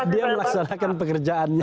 dia melaksanakan pekerjaannya